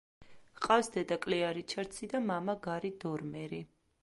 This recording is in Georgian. ჰყავს დედა-კლეარ რიჩარდსი და მამა-გარი დორმერი.